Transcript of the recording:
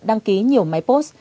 đăng ký nhiều máy post